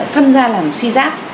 phân ra là một suy giáp